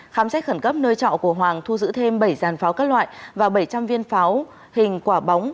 khám xét khẩn cấp nơi trọ của hoàng thu giữ thêm bảy giàn pháo các loại và bảy trăm linh viên pháo hình quả bóng